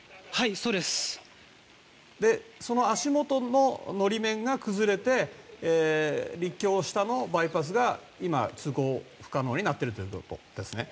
その足元の法面が崩れて、陸橋下のバイパスが今、通行不可能になっているということですね。